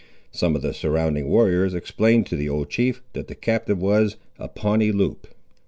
Some of the surrounding warriors explained to the old chief, that the captive was a Pawnee Loup.